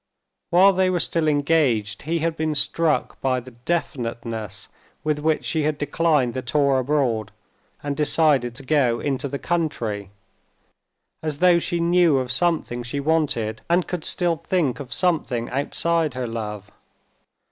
While they were still engaged, he had been struck by the definiteness with which she had declined the tour abroad and decided to go into the country, as though she knew of something she wanted, and could still think of something outside her love.